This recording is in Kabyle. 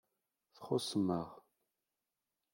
Txuṣṣem-aɣ.